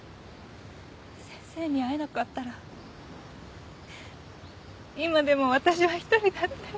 先生に会えなかったら今でも私は独りだったよ。